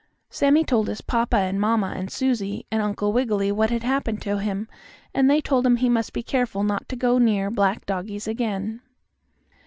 Sammie told his papa and mamma and Susie and Uncle Wiggily what had happened to him, and they told him he must be careful not to go near black doggies again.